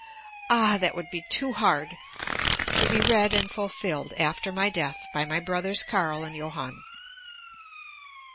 Ah! that would be too hard! To be read and fulfilled after my death by my brothers Carl and Johann.